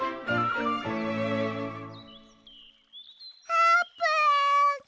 あーぷん！